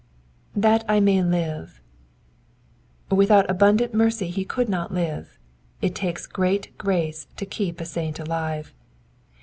^^That I may livsy Without abundant mercy he covld not live. It takes great grace to keep a saint alive.